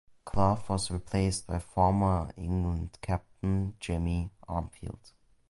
Clough was replaced by former England captain Jimmy Armfield.